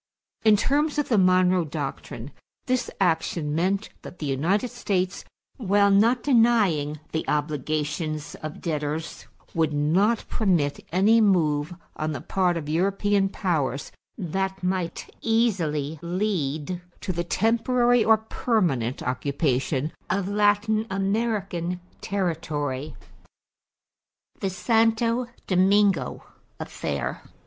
In terms of the Monroe Doctrine this action meant that the United States, while not denying the obligations of debtors, would not permit any move on the part of European powers that might easily lead to the temporary or permanent occupation of Latin American territory. =The Santo Domingo Affair.